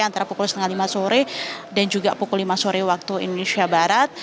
antara pukul setengah lima sore dan juga pukul lima sore waktu indonesia barat